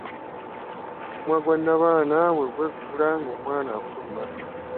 Omumwa gwa nabaana bwe gweggula omwana ng'afuluma.